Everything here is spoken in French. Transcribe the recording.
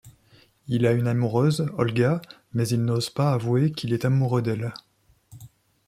Il a une amoureuse, Olga, mais il n'ose pas avouer qu'il est amoureux d'elle.